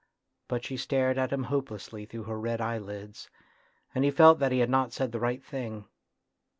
But she stared at him hopelessly through her red eyelids, and he felt that he had not said the right thing.